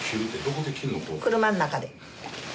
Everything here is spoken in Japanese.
車ん中で。